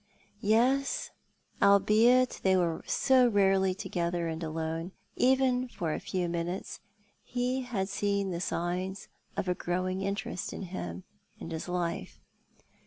Yes, albeit they were so rarely together and alone, even for a few minutes, he had seen the signs of a growing interest in him and his life.